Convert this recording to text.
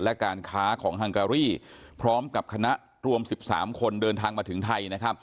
และการค้าของฮังการี่พร้อมกับคณะรวม๑๓คนเดินทางมาถึงไทยนะครับ